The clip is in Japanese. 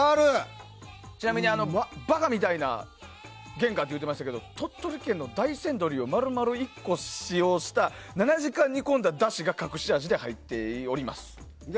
ちなみにバカみたいな原価と言っていましたけど鳥取県の大山どりを丸々１個使用した７時間煮込んだだしが隠し味で入っております。